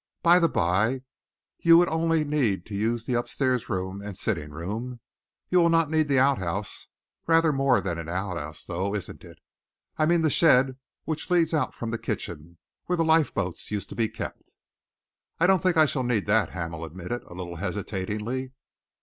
By the by, you would only need to use the up stairs room and the sitting room. You will not need the outhouse rather more than an outhouse, though isn't it? I mean the shed which leads out from the kitchen, where the lifeboat used to be kept?" "I don't think I shall need that," Hamel admitted, a little hesitatingly.